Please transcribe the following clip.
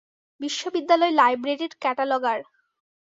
বিশ্ববিদ্যালয় লাইব্রেরির ক্যাটালগার।